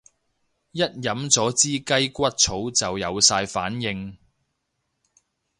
一飲咗支雞骨草就有晒反應